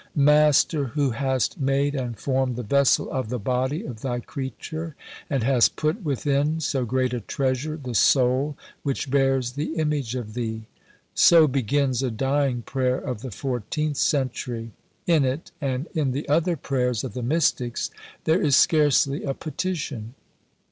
"Master who hast made and formed the vessel of the body of Thy creature, and hast put within so great a treasure, the Soul, which bears the image of Thee": so begins a dying prayer of the 14th century. In it and in the other prayers of the Mystics there is scarcely a petition.